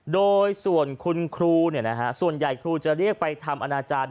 โดยส่วนคุณครูส่วนใหญ่ครูจะเรียกไปทำอนาจารย์